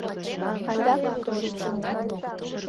Айда конторыш!..